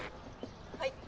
はい！